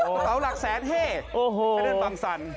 โอโหตาวลักแสนเฮ้ไปนะบางสรรค์